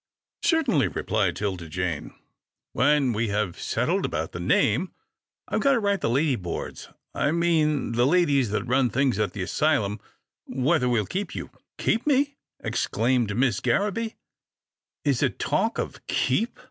" Certainly," replied 'Tilda Jane, " when we have settled about the name. I've got to write the lady boards — I mean the ladies that run things at the asylum — whether we'll keep you." " Keep me !" exclaimed Miss Garraby. " Is it talk of keep.